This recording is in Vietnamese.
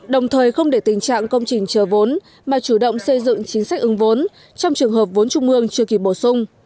đồng thời không để tình trạng công trình chờ vốn mà chủ động xây dựng chính sách ứng vốn trong trường hợp vốn trung ương chưa kịp bổ sung